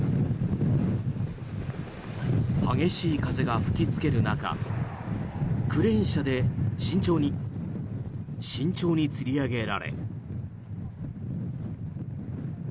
激しい風が吹きつける中クレーン車で慎重に、慎重につり上げられ。